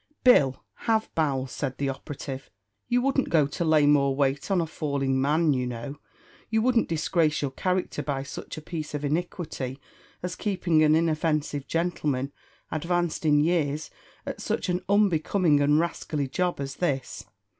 "Bill, have bowels," said the operative; "you wouldn't go to lay more weight on a falling man, you know; you wouldn't disgrace your character by such a piece of iniquity as keeping an inoffensive gentleman, advanced in years, at such an unbecoming and rascally job as this.